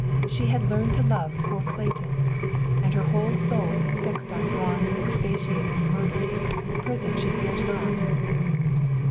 She had learned to love poor Clayton! And her whole soul is fixed on Braun expiating the murder. Prison she fears not."